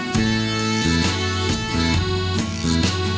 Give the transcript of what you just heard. โจมิสติ